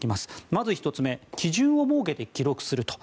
まず１つ目基準を設けて記録すると。